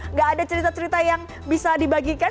nggak ada cerita cerita yang bisa dibagikan